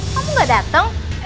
kamu gak dateng